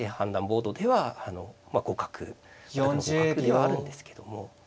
ボードでは互角互角ではあるんですけども。